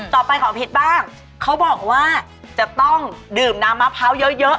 ต่อไปของเพชรบ้างเขาบอกว่าจะต้องดื่มน้ำมะพร้าวเยอะเยอะ